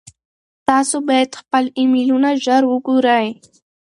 تاسو باید خپل ایمیلونه ژر وګورئ.